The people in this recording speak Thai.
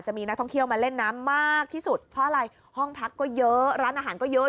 มีนักท่องเที่ยวมาเล่นน้ำมากที่สุดเพราะอะไรห้องพักก็เยอะร้านอาหารก็เยอะ